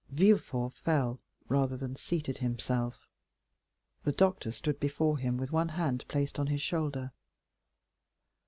Villefort fell, rather than seated himself. The doctor stood before him, with one hand placed on his shoulder.